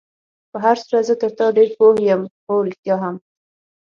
په هر صورت زه تر تا ډېر پوه یم، هو، رښتیا هم.